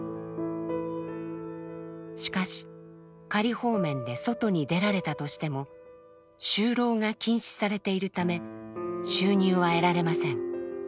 しかし「仮放免」で外に出られたとしても就労が禁止されているため収入は得られません。